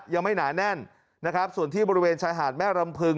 หนาแน่นนะครับส่วนที่บริเวณชายหาดแม่รำพึง